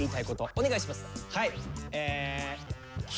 お願いします。